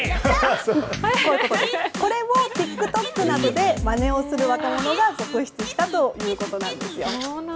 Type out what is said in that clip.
これをＴｉｋＴｏｋなどでまねをする若者が続出したということです。